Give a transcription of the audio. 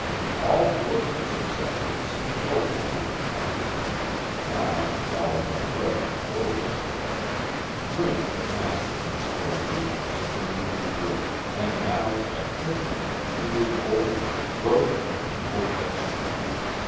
All doors to success had seemed open to him once; now, all were forever closed. Drink had mastered him before he reached his thirtieth year, and now at fifty, he was old, broken, and hopeless.